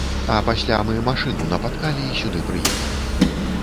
А пасля мы машыну напаткалі і сюды прыехалі.